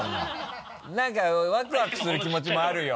何かワクワクする気持ちもあるよ